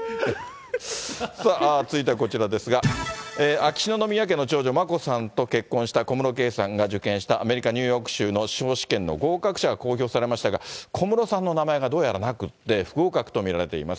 さあ、続いてはこちらですが、秋篠宮家の長女、眞子さんと結婚した小室圭さんが受験したアメリカ・ニューヨーク州の司法試験の合格者が公表されましたが、小室さんの名前がどうやらなくって、不合格と見られています。